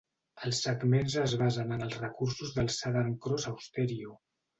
Els segments es basen en els recursos de Southern Cross Austereo.